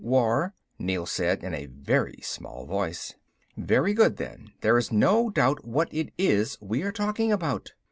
"War." Neel said, in a very small voice. "Very good then, there is no doubt what it is we are talking about.